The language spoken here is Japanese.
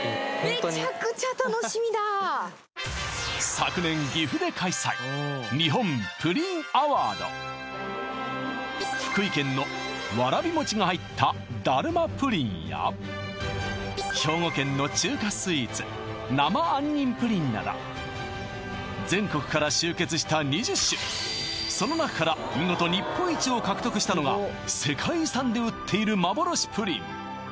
昨年福井県のわらび餅が入っただるまぷりんや兵庫県の中華スイーツなど全国から集結した２０種その中から見事日本一を獲得したのが世界遺産で売っている幻プリン